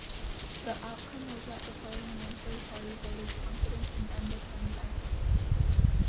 The outcome was that the parliamentary party voted confidence in Enda Kenny as leader.